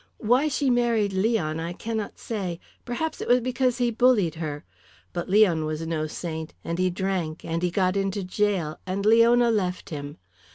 "Why she married Leon I cannot say. Perhaps it was because he bullied her. But Leon was no saint, and he drank, and he got into gaol, and Leona left him.